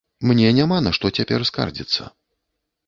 Мне няма на што цяпер скардзіцца.